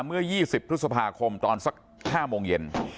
เมื่อ๒๐พฤษภาคมตอนสัก๕โมงเย็น